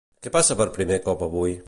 Què passa per primer cop avui?